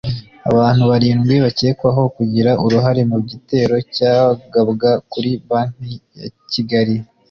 Abantu barindwi bakekwaho kugira uruhare mu gitero cyagabwa kuri Banki ya Kigali